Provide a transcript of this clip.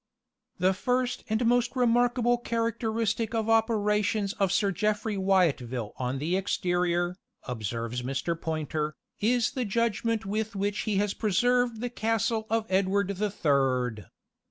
"The first and most remarkable characteristic of operations of Sir Jeffry Wyatville on the exterior," observes Mr. Poynter, "is the judgment with which he has preserved the castle of Edward the Third.